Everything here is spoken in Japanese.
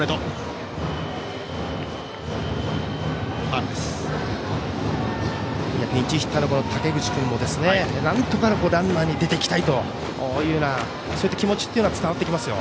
ピンチヒッターの竹口君もなんとかランナーに出て行きたいというそういった気持ちというのは伝わってきますよ。